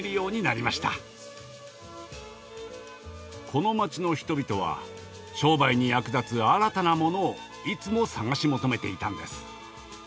この街の人々は商売に役立つ新たなものをいつも探し求めていたんです。